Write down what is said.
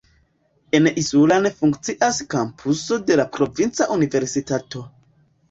En Isulan funkcias kampuso de la provinca universitato.